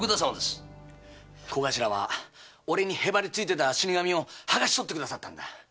小頭は俺に憑いてた死神をはがし取ってくださったんだ。